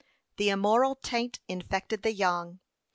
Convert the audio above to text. The immoral taint infected the young.